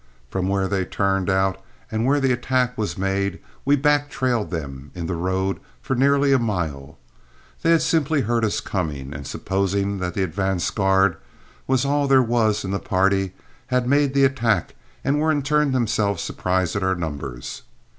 From where they turned out and where the attack was made we back trailed them in the road for nearly a mile. They had simply heard us coming, and, supposing that the advance guard was all there was in the party, had made the attack and were in turn themselves surprised at our numbers.